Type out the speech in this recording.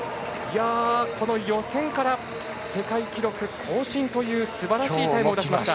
この予選から世界記録更新というすばらしいタイムを出しました。